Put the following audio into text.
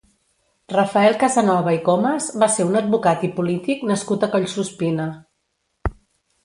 Rafael Casanova i Comes va ser un advocat i polític nascut a Collsuspina.